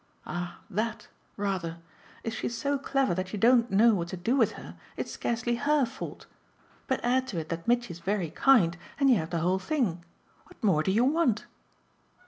Ah THAT rather! If she's so clever that you don't know what to do with her it's scarcely HER fault. But add to it that Mitchy's very kind, and you have the whole thing. What more do you want?"